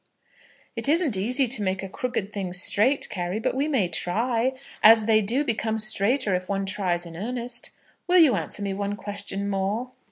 "It isn't easy to make crooked things straight, Carry, but we may try; and they do become straighter if one tries in earnest. Will you answer me one question more?"